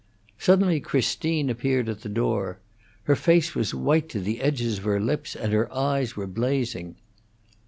Suddenly Christine appeared at the door. Her face was white to the edges of her lips, and her eyes were blazing.